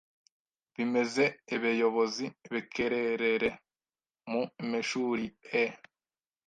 bimeze, ebeyobozi bekererere mu meshuri e